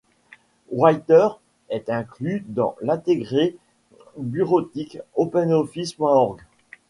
Writer est inclus dans l'intégré bureautique OpenOffice.org.